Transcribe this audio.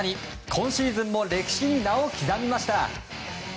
今シーズンも歴史に名を刻みました。